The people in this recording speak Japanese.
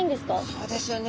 そうですよね。